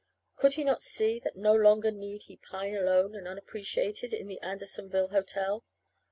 Could he not see that no longer need he pine alone and unappreciated in the Andersonville Hotel?